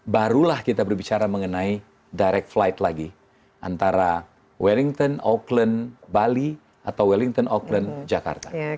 barulah kita berbicara mengenai direct flight lagi antara wellington auckland bali atau wellington auckland jakarta